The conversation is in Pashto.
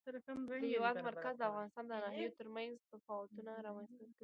د هېواد مرکز د افغانستان د ناحیو ترمنځ تفاوتونه رامنځ ته کوي.